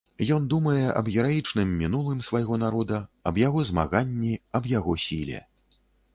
Ён думае аб гераічным мінулым свайго народа, аб яго змаганні, аб яго сіле.